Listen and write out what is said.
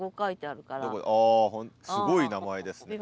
あすごい名前ですね。